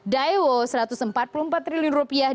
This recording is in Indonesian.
daewo satu ratus empat puluh empat triliun rupiah